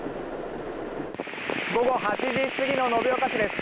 午後８時過ぎの延岡市です。